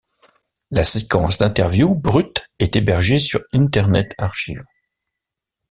La séquence d'interview brute est hébergée sur Internet Archive.